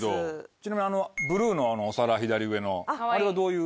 ちなみにブルーのお皿左上のあれはどういう？